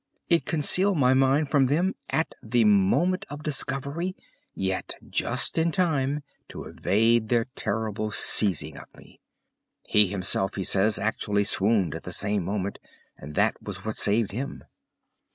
It concealed my mind from them at the moment of discovery, yet just in time to evade their terrible seizing of me. He himself, he says, actually swooned at the same moment, and that was what saved him.